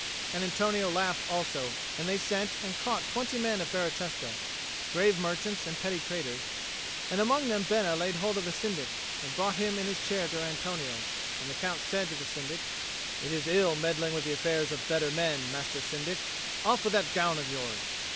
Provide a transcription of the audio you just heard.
And Antonio laughed also, and they sent and caught twenty men of Baratesta, grave merchants and petty traders, and among them Bena laid hold of the Syndic, and brought him in his chair to Antonio; and the Count said to the Syndic, "It is ill meddling with the affairs of better men, Master Syndic. Off with that gown of yours!"